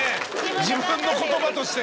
自分の言葉として？